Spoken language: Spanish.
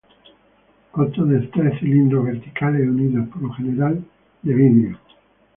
Consta de tres cilindros verticales unidos, por lo general de vidrio.